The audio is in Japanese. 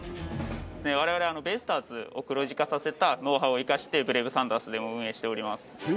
我々はベイスターズを黒字化させたノウハウを生かしてブレイブサンダースでも運営しております